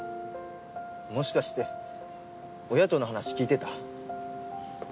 もしかして親との話聞いてた？